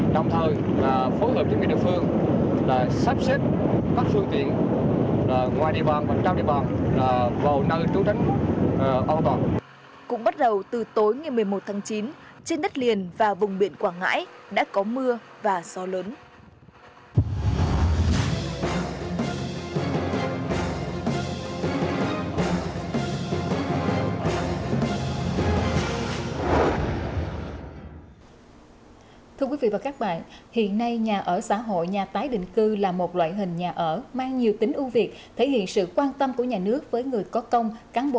đồng thời phối hợp với các địa phương sắp xếp các phương tiện ngoài địa bàn và trong địa bàn vào nơi trú ẩn an toàn